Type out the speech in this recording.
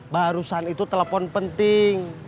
barusan itu telepon penting